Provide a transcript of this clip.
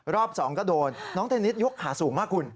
รอบ๒ก็โดนน้องเทนนิสยกขาสูงมากคุณ